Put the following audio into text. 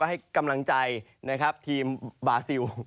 ให้กำลังใจทีมบาร์ซิล